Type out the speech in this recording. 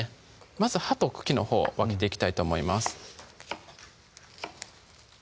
まず葉と茎のほう分けていきたいと思います